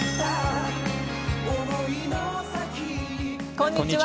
こんにちは。